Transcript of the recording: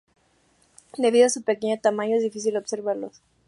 Debido a su pequeño tamaño es difícil observarlos.